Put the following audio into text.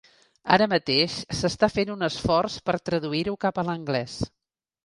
Ara mateix s'està fent un esforç per traduir-ho cap a l'anglès.